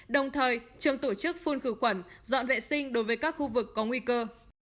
đồng thời trường tổ chức phun khử quẩn dọn vệ sinh đối với các khu vực có nguy cơ